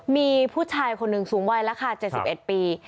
มีผู้ชายคนหนึ่งสูงวัยราคา๗๑ปี